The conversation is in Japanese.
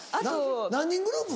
何人グループ？